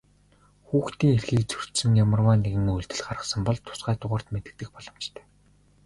Хүүхдийн эрхийг зөрчсөн ямарваа нэгэн үйлдэл гарсан бол тусгай дугаарт мэдэгдэх боломжтой.